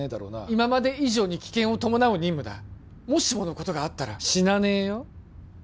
今まで以上に危険を伴う任務だもしものことがあったら死なねえよ